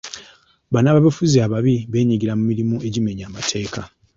Bannabyabufuzi ababi bulijjo beenyigira mu mirimu egimenya amateeka.